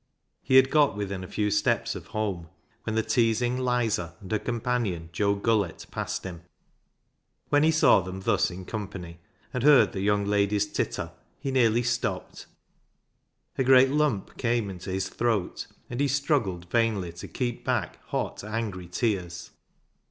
He had got within a few steps of home when the teasing " Lizer " and her companion, Joe Gullett, passed him. When he saw them thus in company, and heard the young lady's titter, he nearly stopped. A great lump came into his throat, and he struggled vainly to keep back hot, angry tears.